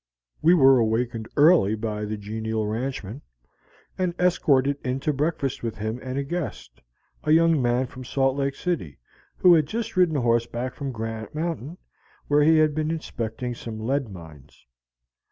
We were awakened early by the genial ranchman, and escorted in to breakfast with him and a guest, a young man from Salt Lake City, who had just ridden horseback from Granite Mountain, where he had been inspecting some lead mines.